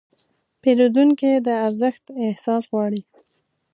پیرودونکي د ارزښت احساس غواړي.